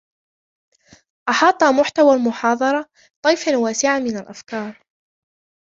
احاط محتوى المحاضرة طيفاً واسعاً من الافكار.